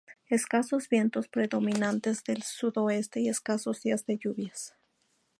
Escasos vientos predominantes del sudoeste y escasos días de lluvias.